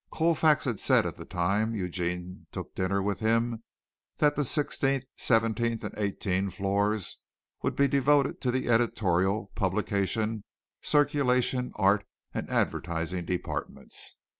Colfax had said at the time Eugene took dinner with him that the sixteenth, seventeenth and eighteenth floors would be devoted to the editorial, publication, circulation, art, and advertising departments.